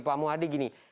pak muhadi gini